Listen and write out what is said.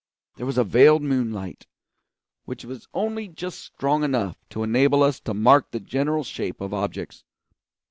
There was a veiled moonlight, which was only just strong enough to enable us to mark the general shape of objects.